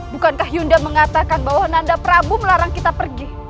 bukankah yunda mengatakan bahwa nanda prabu melarang kita pergi